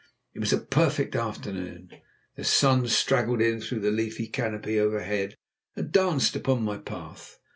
It was a perfect afternoon; the sunshine straggled in through the leafy canopy overhead and danced upon my path.